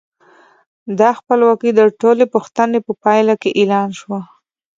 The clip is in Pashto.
دا خپلواکي د ټول پوښتنې په پایله کې اعلان شوه.